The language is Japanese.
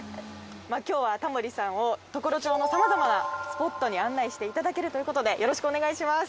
今日はタモリさんを常呂町のさまざまなスポットに案内していただけるという事でよろしくお願いします。